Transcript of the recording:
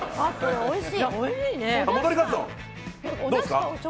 おいしい。